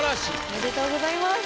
おめでとうございます。